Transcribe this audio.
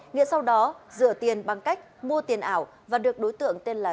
nghĩa sau đó rửa tiền bằng cách mua tiền ảo và được đối tượng tên là